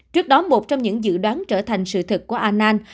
trước đó một trong những dự đoán trở thành sự thật của anand